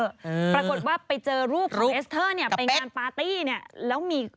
ปรากฏว่าไปเจอรูปเอสเตอร์เนี่ยไปงานปาร์ตี้เนี่ยแล้วมี